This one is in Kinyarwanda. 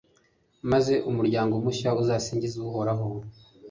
maze umuryango mushya uzasingize uhoraho